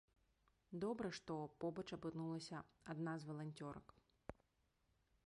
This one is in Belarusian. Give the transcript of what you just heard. Добра, што побач апынулася адна з валанцёрак.